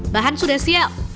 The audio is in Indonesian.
bahan sudah siap